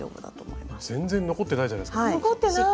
全然残ってないじゃないですか。